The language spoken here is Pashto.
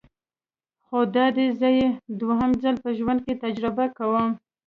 خو دادی زه یې دویم ځل په ژوند کې تجربه کوم.